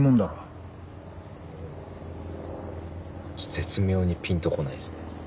絶妙にピンと来ないですね。